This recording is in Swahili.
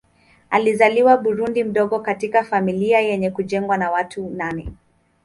Alizaliwa Burundi mdogo katika familia yenye kujengwa na watu wa nane.